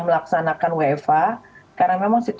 waktu pandemi itu